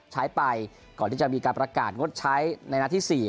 ใช้ไปก่อนที่จะมีการประกาศงดใช้ในนัดที่๔